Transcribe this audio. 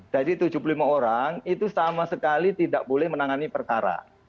jadi tujuh puluh lima orang itu sama sekali tidak boleh menangani perkara